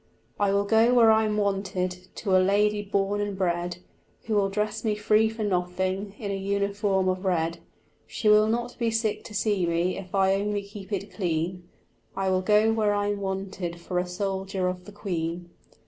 "I will go where I am wanted, to a lady born and bred Who will dress me free for nothing in a uniform of red; She will not be sick to see me if I only keep it clean: I will go where I am wanted for a soldier of the Queen."